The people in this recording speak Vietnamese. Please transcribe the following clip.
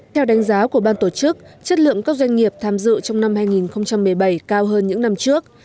theo đánh giá của ban tổ chức chất lượng các doanh nghiệp tham dự trong năm hai nghìn một mươi bảy cao hơn những năm trước